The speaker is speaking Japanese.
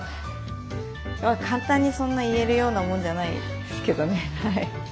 簡単にそんな言えるようなもんじゃないですけどね。